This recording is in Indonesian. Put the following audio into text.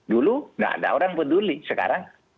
dulu nggak ada orang peduli sekarang